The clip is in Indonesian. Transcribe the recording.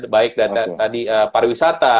baik dari tadi pariwisata